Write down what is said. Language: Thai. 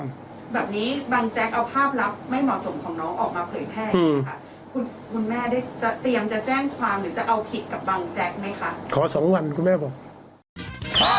แบบนี้บางแจ๊กเอาภาพลับไม่เหมาะสมของน้องออกมาเผยแท่